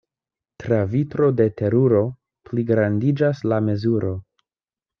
Tra vitro de teruro pligrandiĝas la mezuro.